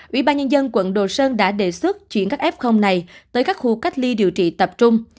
ủy ban nhân dân quận đồ sơn đã đề xuất chuyển các f này tới các khu cách ly điều trị tập trung